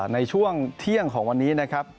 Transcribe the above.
ในช่วงเที่ยงของวันนี้